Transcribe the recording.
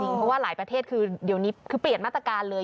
เพราะว่าหลายประเทศคือเดี๋ยวนี้คือเปลี่ยนมาตรการเลย